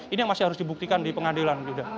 ini yang masih harus dibuktikan di pengadilan